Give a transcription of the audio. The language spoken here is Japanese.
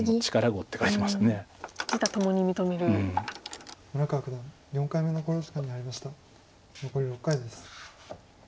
残り６回です。